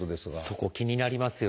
そこ気になりますよね。